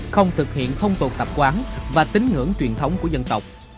không thực hiện phong tục tập quán và tín ngưỡng truyền thống của dân tộc